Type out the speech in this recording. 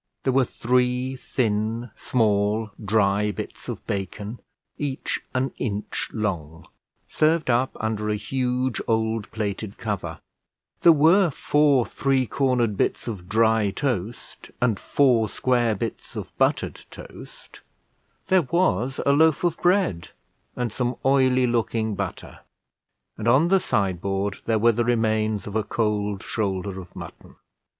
There were three thin, small, dry bits of bacon, each an inch long, served up under a huge old plated cover; there were four three cornered bits of dry toast, and four square bits of buttered toast; there was a loaf of bread, and some oily looking butter; and on the sideboard there were the remains of a cold shoulder of mutton.